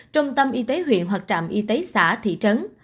trung tâm y tế huyện hoặc trạm y tế xã thị trấn